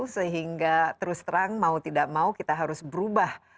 sehingga terus terang mau tidak mau kita harus berubah